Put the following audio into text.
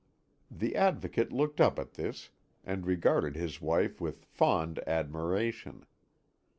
The Advocate looked up at this, and regarded his wife with fond admiration.